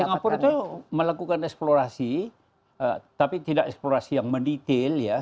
singapura itu melakukan eksplorasi tapi tidak eksplorasi yang mendetail ya